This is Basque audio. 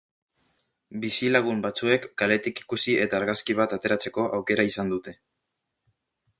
Bizilagun batzuek kaletik ikusi eta argazki bat ateratzeko aukera izan dute.